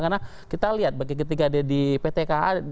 karena kita lihat ketika ada di pt ka